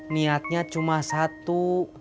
niatnya cuma satu